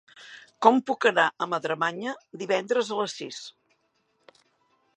Com puc anar a Madremanya divendres a les sis?